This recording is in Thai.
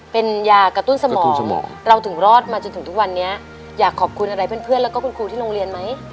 เป็นยากระตุ้นสมองเราถึงรอดมาจนถึงทุกวันนี้อยากขอบคุณอะไรเพื่อนแล้วก็คุณครูที่โรงเรียนไหม